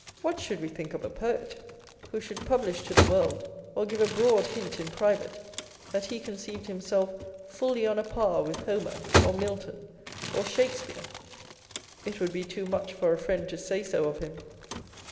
What should we think of a poet who should publish to the world, or give a broad hint in private, that he conceived himself fully on a par with Homer, or Milton, or Shakespeare? It would be too much for a friend to say so of him.